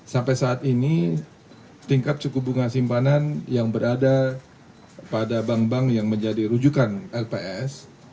sampai saat ini tingkat suku bunga simpanan yang berada pada bank bank yang menjadi rujukan lps